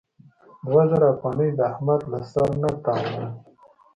دوه زره افغانۍ د احمد له سره نه تاووم.